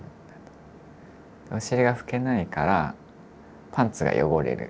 お尻が拭けないからパンツが汚れる。